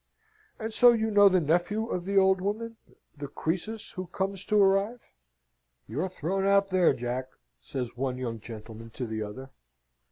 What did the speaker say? "And so you know the nephew of the old woman the Croesus who comes to arrive?" "You're thrown out there, Jack!" says one young gentleman to the other.